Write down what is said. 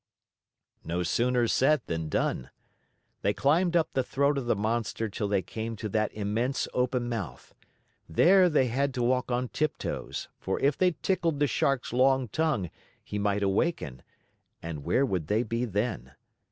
No sooner said than done. They climbed up the throat of the monster till they came to that immense open mouth. There they had to walk on tiptoes, for if they tickled the Shark's long tongue he might awaken and where would they be then?